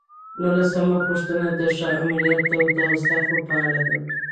نولسمه پوښتنه د ښه آمریت د اوصافو په اړه ده.